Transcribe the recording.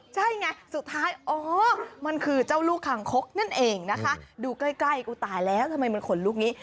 ใช่ไงสุดท้ายอ๋อมันคือเจ้าลูกคางคกนั่นเองนะคะดูใกล้ใกล้กูตายแล้วทำไมมันขนลุกนี้